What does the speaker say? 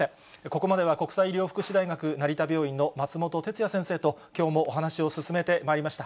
ここまでは国際医療福祉大学成田病院の松本哲哉先生と、きょうもお話を進めてまいりました。